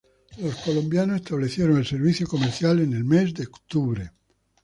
Los colombianos restablecieron el servicio comercial en el mes de octubre.